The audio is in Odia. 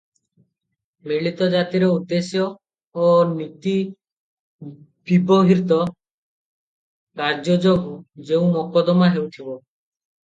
ମିଳିତ ଜାତିର ଉଦ୍ଦେଶ୍ୟ ଓ ନୀତିବିବର୍ହିତ କାର୍ଯ୍ୟ ଯୋଗୁ ଯେଉଁ ମକଦ୍ଦମା ହେଉଥିବ ।